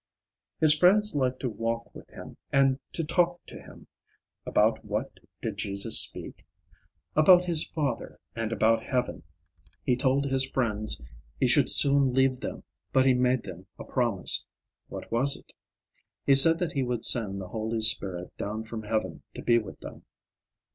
His friends liked to walk with him and to talk to him. About what did Jesus speak? About his Father and about heaven. He told his friends he should soon leave them, but he made them a promise. What was it? He said that he would send the Holy Spirit down from heaven to be with them.